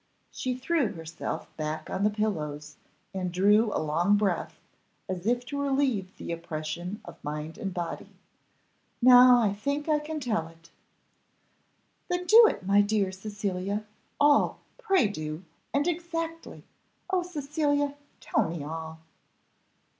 She threw herself back on the pillows, and drew a long breath, as if to relieve the oppression of mind and body. "Now I think I can tell it." "Then do, my dear Cecilia all pray do! and exactly oh, Cecilia, tell me all."